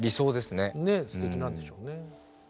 すてきなんでしょうね。